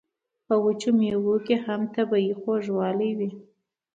په وچو میوو کې هم طبیعي خوږوالی وي.